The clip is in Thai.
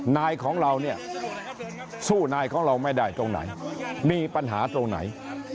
นายของเราเนี่ยสู้นายของเราไม่ได้ตรงไหนมีปัญหาตรงไหน